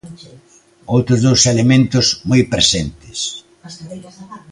Outros dous elementos moi presentes.